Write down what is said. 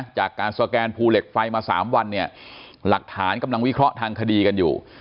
จากการสแกนภูเหล็กไฟมา๓วันเนี่ยหลักฐานกำลังวิเคราะห์ทางคดีกันอยู่